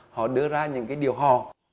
họ đưa ra những cái điều hò